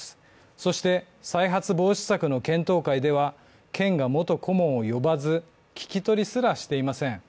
そして、再発防止策の検討会では、県が元顧問を呼ばず、聞き取りすらしていません。